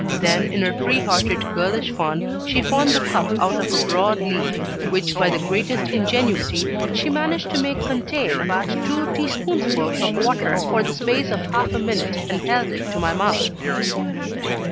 Then, in her free hearted girlish fun, she formed a cup out of a broad leaf, which, by the greatest ingenuity, she managed to make contain about two teaspoonfuls of water for the space of half a minute, and held it to my mouth.